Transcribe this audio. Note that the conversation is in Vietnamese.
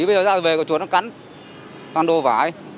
bây giờ ra về có chuột nó cắn toàn đồ vải